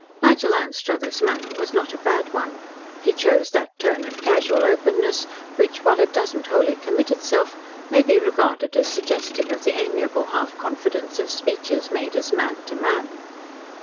Nigel Anstruthers' manner was not a bad one. He chose that tone of casual openness which, while it does not wholly commit itself, may be regarded as suggestive of the amiable half confidence of speeches made as "man to man."